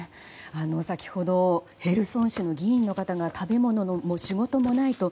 先ほどヘルソン市の議員の方が食べ物も仕事もないと。